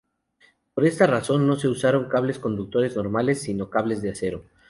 Por esta razón, no se usaron cables conductores normales, sino cables de acero.